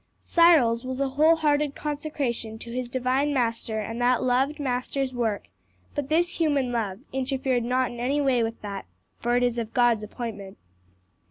Cyril's was a whole hearted consecration to his divine Master and that loved Master's work, but this human love interfered not in any way with that, for it is of God's appointment.